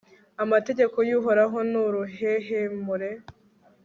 amategeko y'uhoraho ni uruhehemure